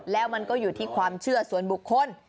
แล้วมันก็อยู่ที่ความเชื่อส่วนบุคคล